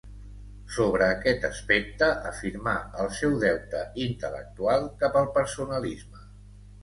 Sobre aquest aspecte, afirmà el seu deute intel·lectual cap al personalisme.